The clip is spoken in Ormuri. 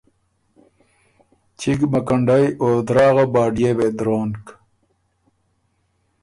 چِګ مکنډئ او دراغه باډيې وې درونک۔